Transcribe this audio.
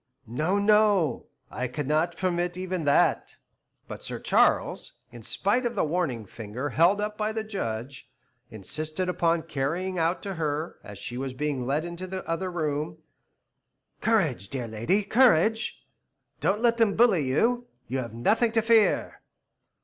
"No, no, I cannot permit even that " But Sir Charles, in spite of the warning finger held up by the Judge, insisted upon crying out to her, as she was being led into the other room: "Courage, dear lady, courage. Don't let them bully you. You have nothing to fear."